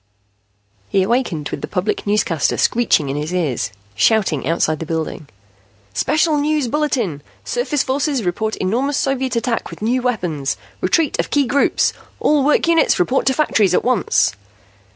He awakened with the public newscaster screeching in his ears, shouting outside the building. "Special news bulletin! Surface forces report enormous Soviet attack with new weapons! Retreat of key groups! All work units report to factories at once!"